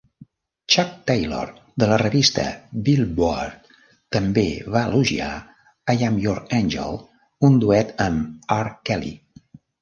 Chuck Taylor de la revista "Billboard" també va elogiar "I'm Your Angel", un duet amb R. Kelly.